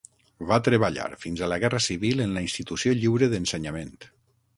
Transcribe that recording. Va treballar fins a la Guerra Civil en la Institució Lliure d'Ensenyament.